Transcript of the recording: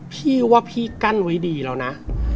พี่ว่าพี่กั้นไว้ดีแล้วนะ